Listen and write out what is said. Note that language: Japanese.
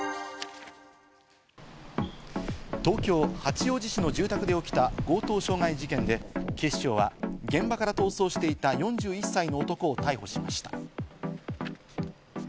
東京・八王子市の住宅で起きた強盗傷害事件で、警視庁は現場から逃走していた４１歳の男を逮捕しました。